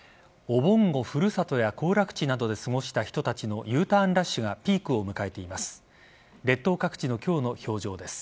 お盆を古里や行楽地などで過ごした人たちのＵターンラッシュがピークを迎えています。